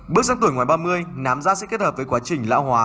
bước sang tuổi ngoài ba mươi nám da sẽ kết hợp với quá trình lão hóa